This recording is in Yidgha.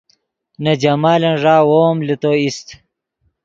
نے جمالن ݱا وو ام لے تو ایست